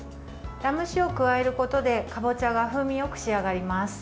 ラム酒を加えることでかぼちゃが風味よく仕上がります。